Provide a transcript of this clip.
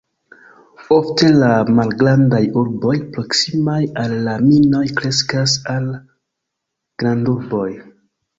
Ofte la malgrandaj urboj proksimaj al la minoj kreskas al grandurboj.